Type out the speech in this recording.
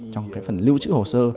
trong cái phần lưu trữ hồ sơ